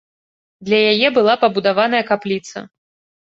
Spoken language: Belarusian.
Для яе была пабудаваная капліца.